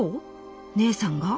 姐さんが？